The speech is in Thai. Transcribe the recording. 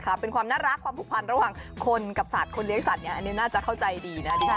ถ้าเกิดความน่ารักความผูกพันธ์ระหว่างคนกับสัตว์คนเลี้ยงสัตว์อย่างนี้น่าจะเข้าใจดีน่ะ